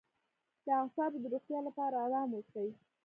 د اعصابو د روغتیا لپاره ارام اوسئ